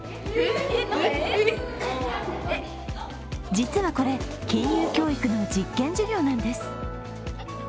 実はこれ、金融教育の実験授業なんです。